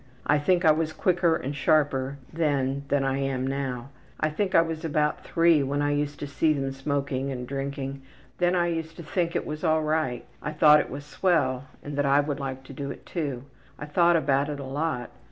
I think I was quicker and sharper then than I am now. I think I was about 3 when I used to see them smoking and drinking. Then I used to think it was all right. I thought it was swell and that I would like to do it too. I thought about it a lot.